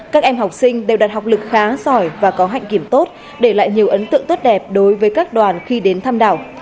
các em học sinh đều đặt học lực khá giỏi và có hạnh kiểm tốt để lại nhiều ấn tượng tốt đẹp đối với các đoàn khi đến thăm đảo